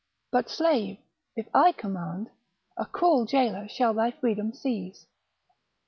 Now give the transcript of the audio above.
—But, slave, if I command, A cruel jailor shall thy freedom seize.